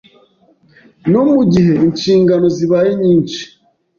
no mu gihe inshingano zibaye nyinshi.